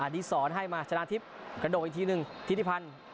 ดีสอนให้มาชนะทิพย์กระโดดอีกทีหนึ่งทิศิพันธ์